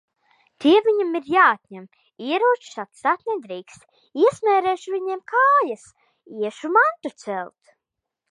Tie viņam ir jāatņem. Ieročus atstāt nedrīkst. Iesmērēšu viņiem kājas! Iešu mantu celt.